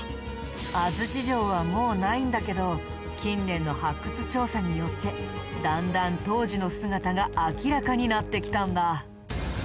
安土城はもうないんだけど近年の発掘調査によってだんだん当時の姿が明らかになってきたんだ。